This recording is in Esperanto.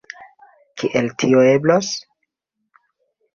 Kiel tio eblos?